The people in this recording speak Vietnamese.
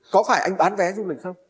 có phải anh bán vé du lịch không